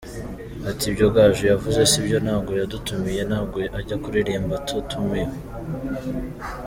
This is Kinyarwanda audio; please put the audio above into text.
Ati « Ibyo Gaju yavuze sibyo, ntabwo yadutumiye, ntabwo ajya kuririmba atatumiwe.